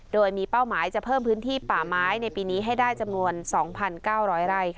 โดยมีเป้าหมายจะเพิ่มพื้นที่ป่าไม้ในปีนี้ให้ได้จำนวน๒๙๐๐ไร่